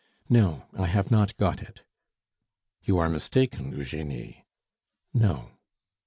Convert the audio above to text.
"No, I have not got it." "You are mistaken, Eugenie." "No."